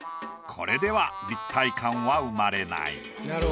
これでは立体感は生まれない。